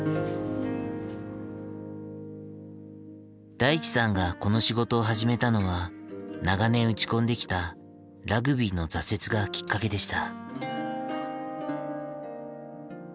大地さんがこの仕事を始めたのは長年打ち込んできたラグビーの挫折がきっかけでした。